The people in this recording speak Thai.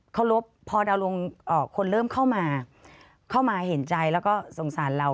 รบพอดาวลงคนเริ่มเข้ามาเข้ามาเห็นใจแล้วก็สงสารเรา